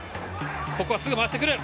ここはすぐ回してくる。